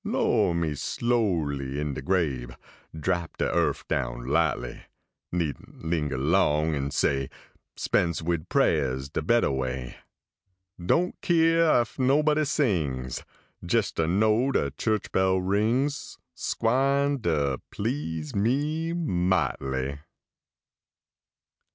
lyowah me slowly in de grave ; Drap de earf down lightly. Needn t linger long, and, say, Spense wid prayer s de better way ; Don t keer ef nobody sings. Jes ter know de chu ch bell rings S gwine ter please me might ly.